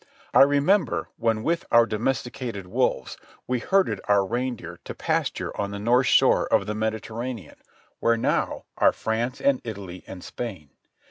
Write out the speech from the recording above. I remember when with our domesticated wolves we herded our reindeer to pasture on the north shore of the Mediterranean where now are France and Italy and Spain.